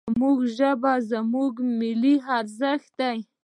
زموږ ژبه، زموږ ملي ارزښت دی.